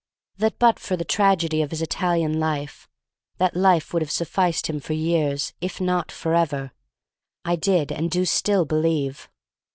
That, but for the tragedy of his Italian life, that life would have sufficed him for years, if not for ever, I did and do still believe.